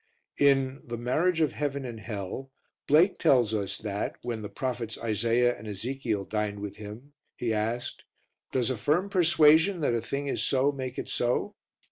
In The Marriage of Heaven and Hell, Blake tells us that, when the Prophets Isaiah and Ezekiel dined with him, he asked, "Does a firm persuasion that a thing is so make it so?"